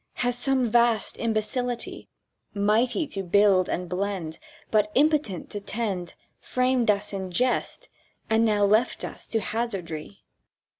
"Has some Vast Imbecility, Mighty to build and blend, But impotent to tend, Framed us in jest, and left us now to hazardry?